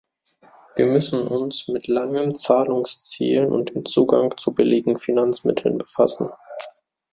Wir müssen uns mit langen Zahlungszielen und dem Zugang zu billigen Finanzmitteln befassen.